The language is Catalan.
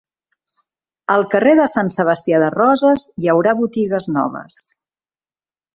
Al carrer de Sant Sebastià de Roses hi haurà botigues noves.